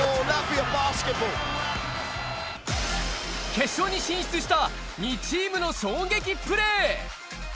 決勝に進出した、２チームの衝撃プレー！